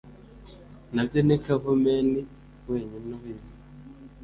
Nabyo ni Kavumenti wenyine ubizi